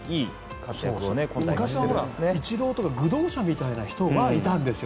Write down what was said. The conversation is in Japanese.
昔はイチローとか求道者みたいな人はいたんですよ。